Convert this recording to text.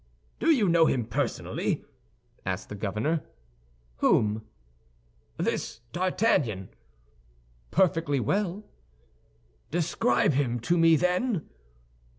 "Do you know him personally?" asked the governor. "Whom?" "This D'Artagnan." "Perfectly well." "Describe him to me, then."